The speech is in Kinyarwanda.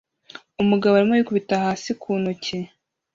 Umugabo arimo yikubita hasi ku ntoki